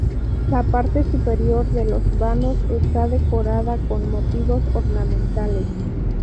La parte superior de los vanos está decorada con motivos ornamentales.